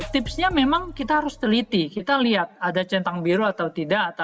tipsnya memang kita harus teliti kita lihat ada centang biru atau tidak